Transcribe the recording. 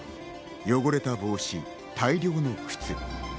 汚れた帽子、大量の靴。